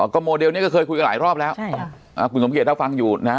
ก็โมเดลนี้ก็เคยคุยกันหลายรอบแล้วคุณสมเกียจถ้าฟังอยู่นะ